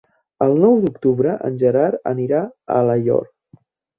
El nou d'octubre en Gerard anirà a Alaior.